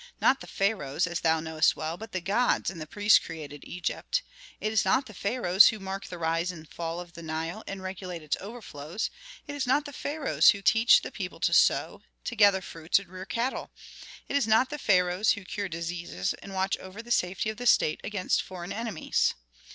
Not the pharaohs, as thou knowest well, but the gods and the priests created Egypt. It is not the pharaohs who mark the rise and fall of the Nile and regulate its overflows; it is not the pharaohs who teach the people to sow, to gather fruits and rear cattle. It is not the pharaohs who cure diseases and watch over the safety of the state against foreign enemies.